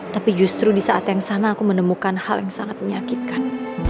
tapi justru di saat yang sama aku menemukan hal yang sangat menyakitkan